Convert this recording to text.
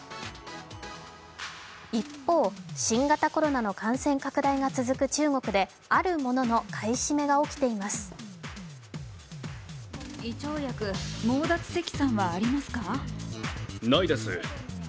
一方、新型コロナの感染拡大が続く中国であるものの買い占めが起きています。